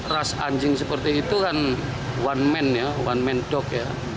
ras anjing seperti itu kan one man one man dog